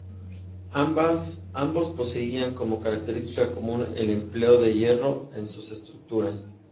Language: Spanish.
Ambos poseían como característica común el empleo de hierro en sus estructuras.